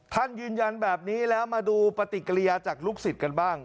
ยืนยันแบบนี้แล้วมาดูปฏิกิริยาจากลูกศิษย์กันบ้าง